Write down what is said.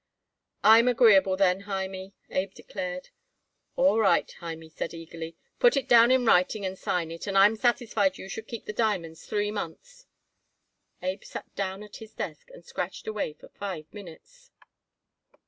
"I'm agreeable, then, Hymie," Abe declared. "All right," Hymie said eagerly; "put it down in writing and sign it, and I am satisfied you should keep the diamonds three months." Abe sat down at his desk and scratched away for five minutes.